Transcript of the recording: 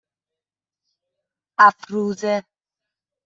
افروزه